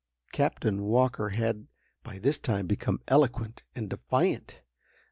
Captain Walker had by this time become eloquent, and defiant.